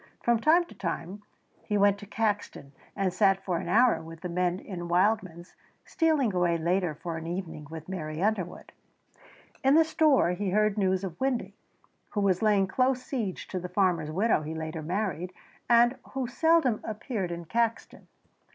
From time to time he went to Caxton and sat for an hour with the men in Wildman's, stealing away later for an evening with Mary Underwood. In the store he heard news of Windy, who was laying close siege to the farmer's widow he later married, and who seldom appeared in Caxton.